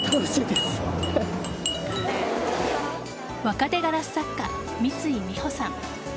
若手ガラス作家三ツ井美帆さん。